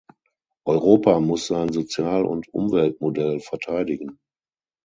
Europa muss sein Sozial- und Umweltmodell verteidigen.